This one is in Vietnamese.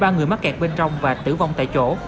ba người mắc kẹt bên trong và tử vong tại chỗ